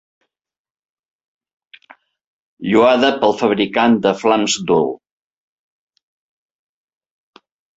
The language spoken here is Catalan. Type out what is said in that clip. Lloada pel fabricant de flams Dhul.